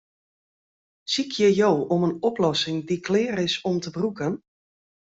Sykje jo om in oplossing dy't klear is om te brûken?